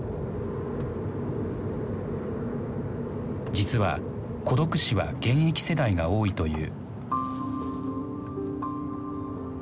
実は孤独死は現役世代が多いという。